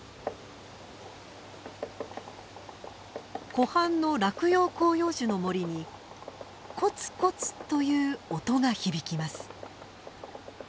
湖畔の落葉広葉樹の森にコツコツという音が響きます。